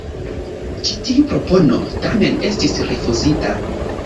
Ĉi tiu propono tamen estis rifuzita.